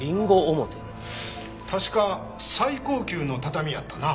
確か最高級の畳やったな。